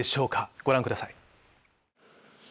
ご覧ください。